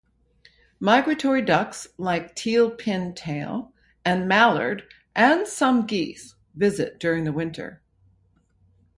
Migratory ducks like Teal Pin tail and mallard and some geese visit during winter.